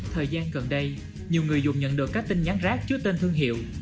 thời gian gần đây nhiều người dùng nhận được các tin nhắn rác chứa tên thương hiệu